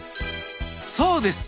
そうです！